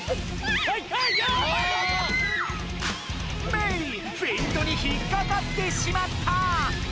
メイフェイントに引っかかってしまった！